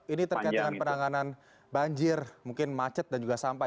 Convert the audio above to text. ini terkait dengan penanganan banjir mungkin macet dan juga sampah